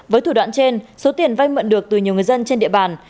với thủ đoạn trên số tiền vay mượn được từ nhiều người dân trên địa bàn